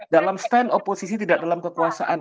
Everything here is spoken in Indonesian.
dalam stand oposisi tidak dalam kekuasaan